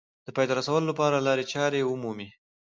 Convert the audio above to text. د پای ته رسولو لپاره لارې چارې ومومي